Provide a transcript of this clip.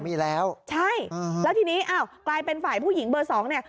ใช่แล้วทีนี้อ้าวตลาดเป็นฝ่ายผู้หญิงเบอร์๒เนี่ย